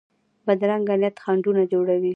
بدرنګه نیت خنډونه جوړوي